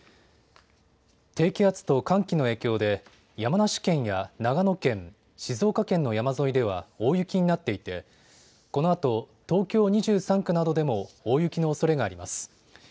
低気圧と寒気の影響で山梨県や長野県、静岡県の山沿いでは大雪になっていてこのあと東京２３区などでも大雪のおそれがあります。